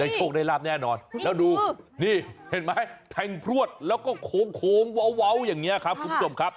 แต่โชคได้ราบแน่นอนเห็นไหมถงพวชแล้วก็โโขโขมแวว